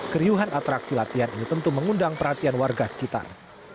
keriuhan atraksi latihan ini tentu mengundang perhatian warga sekitar